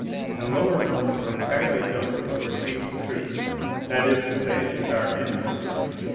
The lower rooms were entirely filled with Kourchid's troops; that is to say, with our enemies.